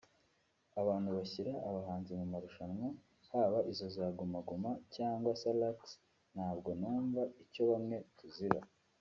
abantu bashyira abahanzi mu marushanwa haba izo za Guma Guma cyangwa Salax ntabwo numva icyo bamwe tuzira